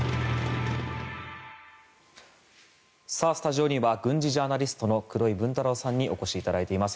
スタジオには軍事ジャーナリストの黒井文太郎さんにお越しいただいています。